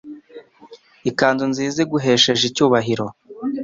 ikanzu nziza iguhesheje icyubahiro ,